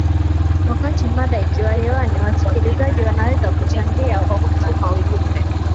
wakati mada ikiwa hewani wasikilizaji wanaweza kuchangia kwa kutuma ujumbe